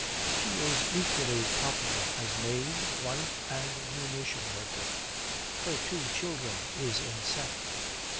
'She is equally popular as maid, wife, and munition worker. Her two children is inset.